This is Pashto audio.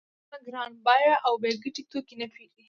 خلک ګران بیه او بې ګټې توکي نه پېري